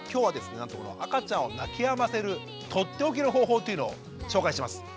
なんとこの赤ちゃんを泣きやませるとっておきの方法っていうのを紹介します。